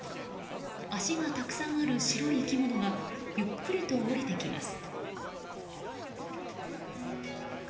足がたくさんある白い生き物がゆっくりと下りてきます。